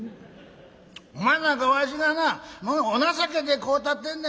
お前なんかわしがなお情けでこうたってんねん。